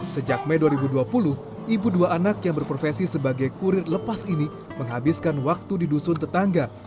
sejak mei dua ribu dua puluh ibu dua anak yang berprofesi sebagai kurir lepas ini menghabiskan waktu di dusun tetangga